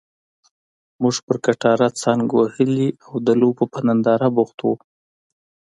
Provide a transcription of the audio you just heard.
موږ پر کټاره څنګ وهلي او لوبو په ننداره بوخت وو.